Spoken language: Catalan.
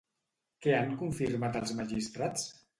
Què han confirmat els magistrats?